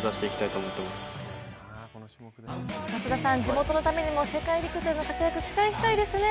地元のためにも世界陸上での活躍期待したいですね。